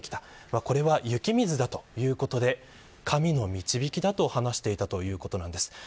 これは雪水だということで神の導きだと話していたということです。